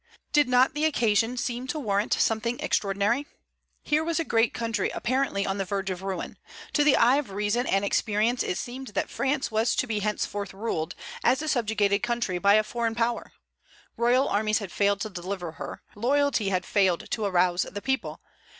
Did not the occasion seem to warrant something extraordinary? Here was a great country apparently on the verge of ruin. To the eye of reason and experience it seemed that France was to be henceforth ruled, as a subjugated country, by a foreign power. Royal armies had failed to deliver her. Loyalty had failed to arouse the people.